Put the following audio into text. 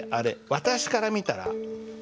私から見たら？